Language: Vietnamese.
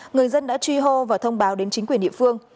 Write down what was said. người dân đã truy hô và thông báo đến chính quyền địa phương